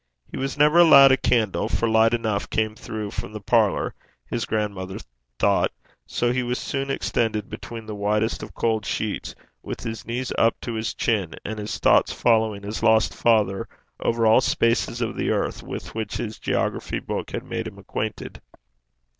He was never allowed a candle, for light enough came through from the parlour, his grandmother thought; so he was soon extended between the whitest of cold sheets, with his knees up to his chin, and his thoughts following his lost father over all spaces of the earth with which his geography book had made him acquainted.